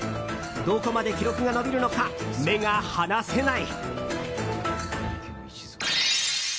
どこまで記録が伸びるのか目が離せない！